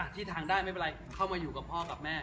ที่ทางได้ไม่เป็นไรเข้ามาอยู่กับพ่อกับแม่